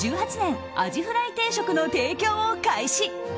アジフライ定食の提供を開始。